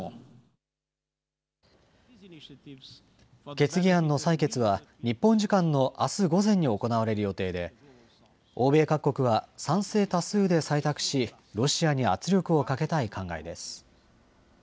決議案の採決は、日本時間のあす午前に行われる予定で、欧米各国は賛成多数で採択し、ロシアに圧力をかけたい考えです。